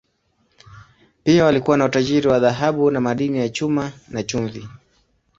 Pia walikuwa na utajiri wa dhahabu na madini ya chuma, na chumvi.